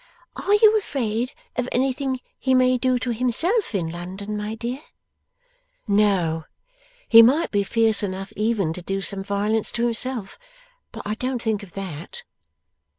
'Are you afraid of anything he may do to himself in London, my dear?' 'No. He might be fierce enough even to do some violence to himself, but I don't think of that.